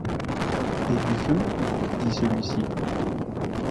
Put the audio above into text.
Et du feu ? dit celui-ci.